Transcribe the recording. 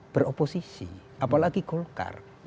beroposisi apalagi golkar